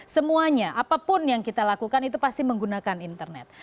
semuanya apapun yang kita lakukan itu pasti menggunakan internet